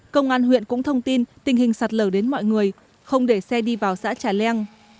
công an huyện cũng thông tin tình hình sạt lở đến mọi người không để xe đi vào xã trà leng